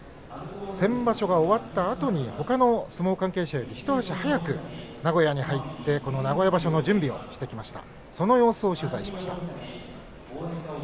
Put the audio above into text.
先場所が終わったあとにほかの相撲関係者より一足早く名古屋に入ってこの名古屋場所の準備をしてきました。